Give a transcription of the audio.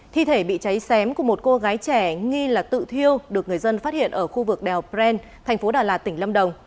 thi thể bị cháy xém của một cô gái trẻ nghi là tự thiêu được người dân phát hiện ở khu vực đèo pren thành phố đà lạt tỉnh lâm đồng